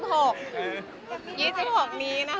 ก็อรวันที่๒๖